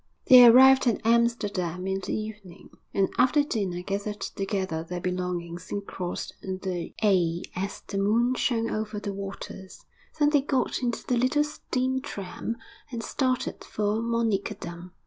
III They arrived at Amsterdam in the evening, and, after dinner, gathered together their belongings and crossed the Ij as the moon shone over the waters; then they got into the little steam tram and started for Monnickendam.